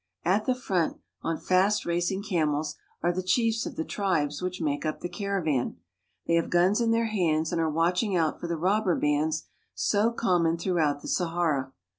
At the front, on Sfast, racing camels, are the chiefs of the tribes which make liip the caravan. They have guns in their hands and are watching out for the robber bands so common throughout the Sahara.